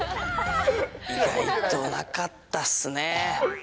意外となかったっすね。